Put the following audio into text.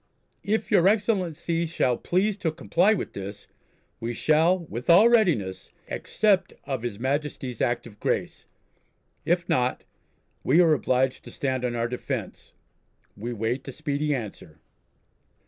If your Excellency shall please to comply with this, we shall, with all readiness, accept of His Majesty's Act of Grace. If not, we are obliged to stand on our defence. We wait a speedy answer."